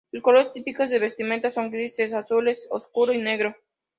Sus colores típicos de vestimenta son grises, azul oscuro y negro.